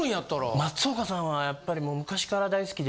松岡さんはやっぱりもう昔から大好きで。